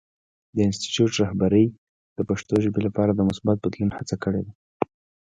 د انسټیټوت رهبرۍ د پښتو ژبې لپاره د مثبت بدلون هڅه کړې ده.